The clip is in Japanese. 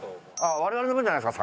我々の分じゃないですか？